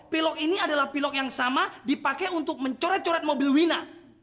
pilok ini adalah pilok yang sama dipakai untuk mencoret coret mobil wina